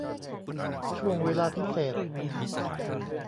ช่วงเวลาพิเศษ